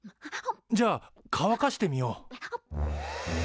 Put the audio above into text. じゃあかわかしてみよう。